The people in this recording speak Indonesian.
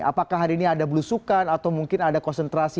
apakah hari ini ada berlusukan atau mungkin ada konsolidasi